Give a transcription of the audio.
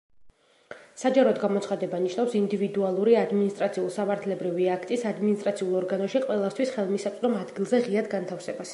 საჯაროდ გამოცხადება ნიშნავს ინდივიდუალური ადმინისტრაციულ-სამართლებრივი აქტის ადმინისტრაციულ ორგანოში ყველასათვის ხელმისაწვდომ ადგილზე, ღიად განთავსებას.